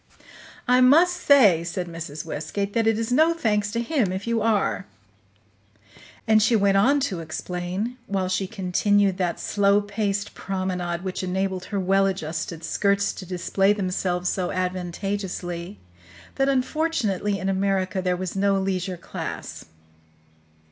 "I must say," said Mrs. Westgate, "that it is no thanks to him if you are." And she went on to explain, while she continued that slow paced promenade which enabled her well adjusted skirts to display themselves so advantageously, that unfortunately in America there was no leisure class.